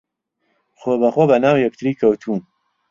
خۆبەخۆ بەناو یەکتری کەوتوون